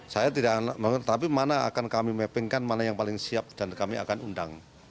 saya tidak mengerti tapi mana akan kami mappingkan mana yang paling siap dan kami akan undang